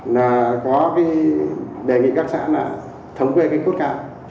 là có cái đề nghị các xã là thống quê cái cốt cả